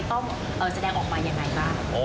ต้องแสดงออกมายังไงบ้าง